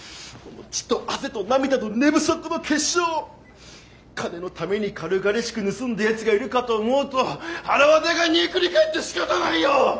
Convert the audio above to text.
血と汗と涙と寝不足の結晶を金のために軽々しく盗んだやつがいるかと思うとはらわたが煮えくり返ってしかたないよ！